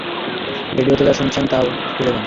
আর রেডিওতে যা শুনেছেন, ভুলে যান।